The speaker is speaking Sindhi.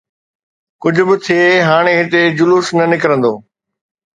ڪجهه به ٿئي، هاڻي هتي جلوس نه نڪرندو.